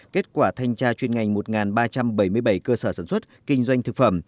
kết quả thanh tra chuyên ngành một ba trăm bảy mươi bảy cơ sở sản xuất kinh doanh thực phẩm